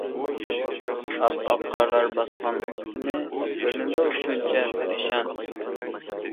ئاپئاق قارلار باسقان ئۈستىنى، كۆرۈنىدۇ شۇنچە پەرىشان.